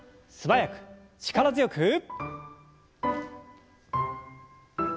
素早く力強く。